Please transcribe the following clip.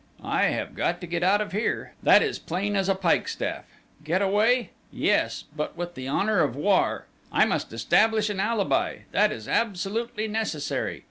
I have got to get out of here; that is plain as a pikestaff!... Get away? Yes, but with the honour of war!... I must establish an alibi that is absolutely necessary....